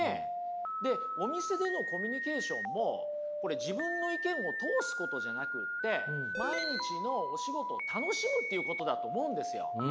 お店でのコミュニケーションもこれ自分の意見を通すことじゃなくて毎日のお仕事を楽しむっていうことだと思うんですよ。